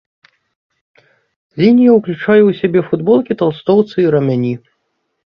Лінія ўключае ў сябе футболкі, талстоўцы і рамяні.